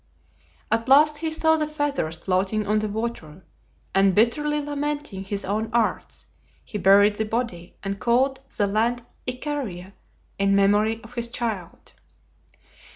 At last he saw the feathers floating on the water, and bitterly lamenting his own arts, he buried the body and called the land Icaria in memory of his child.